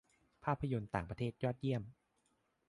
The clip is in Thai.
- ภาพยนตร์ต่างประเทศยอดเยี่ยม